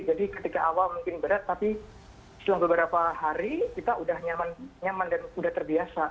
jadi ketika awal mungkin berat tapi selama beberapa hari kita udah nyaman dan udah terbiasa